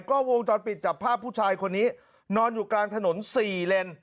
ก็วงจรปิดจับภาพผู้ชายคนนี้นอนอยู่กลางถนน๔เลน